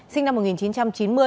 sinh năm một nghìn chín trăm chín mươi